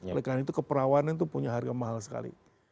oleh karena itu keperawanan itu punya harga mahal sekali